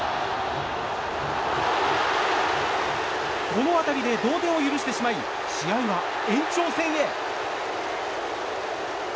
この当たりで同点を許してしまい試合は延長戦へ。